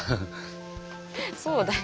そうだよ。